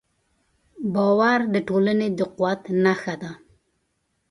باور د ټولنې د قوت نښه ده.